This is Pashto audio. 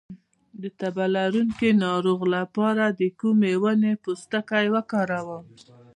د تبه لرونکي ناروغ لپاره د کومې ونې پوستکی وکاروم؟